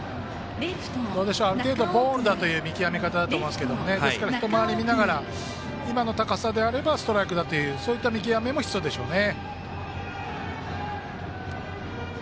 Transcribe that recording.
ある程度ボールだという見極めだと思いますがですから１回り見ながら今の高さであればストライクだというそういう見極めも必要でしょうね。